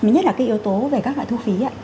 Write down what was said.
nhất là cái yếu tố về các loại thu phí